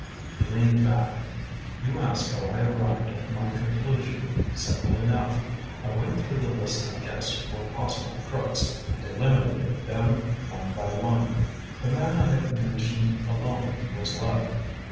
He leaned back. "You ask how I arrived at my conclusion. Simple enough. I went through the list of guests for possible crooks, and eliminated them one by one. The man I have mentioned alone was left.